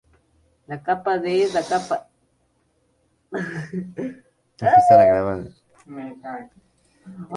La capa D es la capa de la ionosfera más cercana a la Tierra.